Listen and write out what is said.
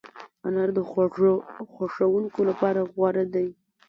انار د خوږو خوښونکو لپاره غوره دی.